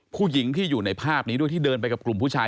ผู้หญิงที่อยู่ในภาพนี้ด้วยที่เดินไปกับกลุ่มผู้ชาย